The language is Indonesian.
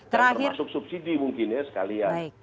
termasuk subsidi mungkin ya sekalian